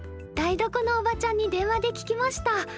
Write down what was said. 台所のおばちゃんに電話で聞きました。